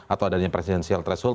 atau adanya presidensial threshold